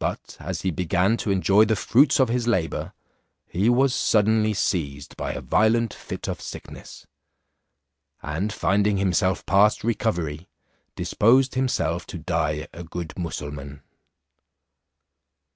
But as he began to enjoy the fruits of his labour, he was suddenly seized by a violent fit of sickness; and finding himself past recovery, disposed himself to die a good Mussulmaun.